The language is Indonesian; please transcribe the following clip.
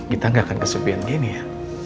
kita nggak akan kesepian gini ya